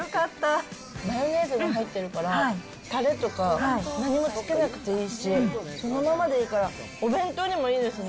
マヨネーズが入ってるから、たれとか何もつけなくていいし、そのままでいいからお弁当にもいいですね。